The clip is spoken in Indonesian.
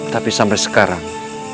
tapi sampai sekarang